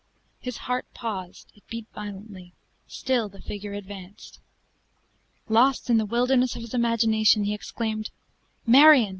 His heart paused it beat violently still the figure advanced. Lost in the wilderness of his imagination, he exclaimed, "Marion!"